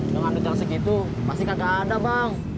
dengan dejang segitu pasti kagak ada bang